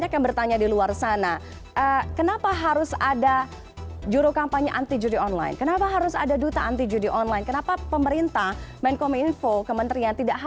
selamat sore pak menteri